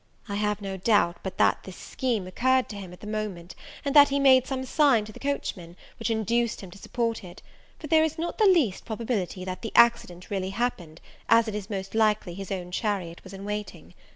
I have no doubt but that this scheme occurred to him at the moment, and that he made some sign to the coachman, which induced him to support it; for there is not the least probability that the accident really happened, as it is most likely his own chariot was in waiting.